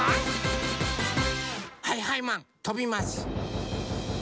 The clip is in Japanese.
はいはいマンとびます。